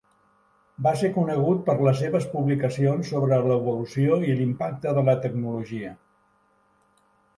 Va ser conegut per les seves publicacions sobre l'evolució i l'impacte de la tecnologia.